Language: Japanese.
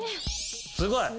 すごい。